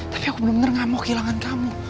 tapi aku bener bener gak mau kehilangan kamu